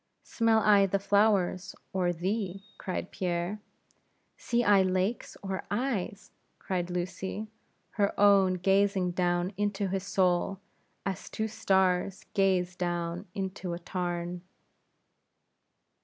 "Smell I the flowers, or thee?" cried Pierre. "See I lakes, or eyes?" cried Lucy, her own gazing down into his soul, as two stars gaze down into a tarn.